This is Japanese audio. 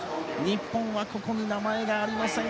日本はここに名前がありません。